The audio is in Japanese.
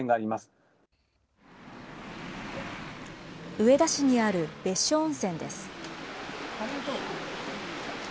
上田市にある別所温泉です。